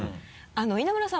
稲村さん